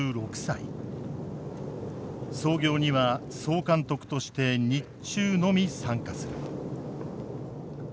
操業には総監督として日中のみ参加する。